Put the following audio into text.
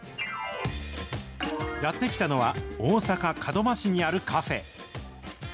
やって来たのは、大阪・門真市にあるカフェ。